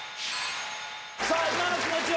さあ、今の気持ちは？